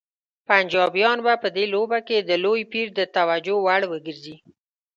پنجابیان به په دې لوبه کې د لوی پیر د توجه وړ وګرځي.